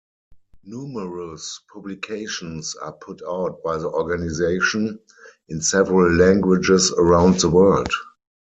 Numerous publications are put out by the organisation, in several languages around the world.